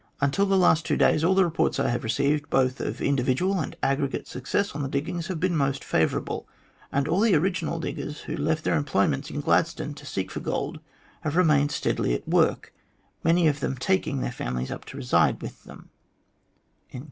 Until the last two days, all the reports I have received, both of individual and aggregate success on the diggings, have been most favourable ; and all the original diggers who left their employments in Gladstone to seek for gold have remained steadily at work, many of them taking their families up to reside with them."